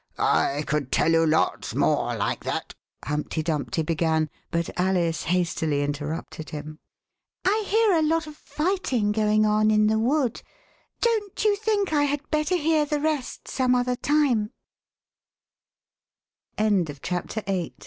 I could tell you lots more like that," Humpty Dumpty began, but Alice hastily interrupted him. I hear a lot of fighting going on in the wood ; don't you think I had better hear the rest some other time "i " 45